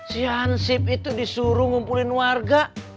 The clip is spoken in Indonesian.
si hansip itu disuruh ngumpulin warga